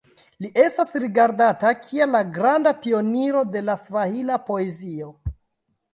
Li estas rigardata kiel la granda pioniro de la svahila poezio.